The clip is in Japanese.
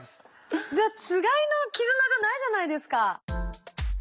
じゃあつがいの絆じゃないじゃないですか。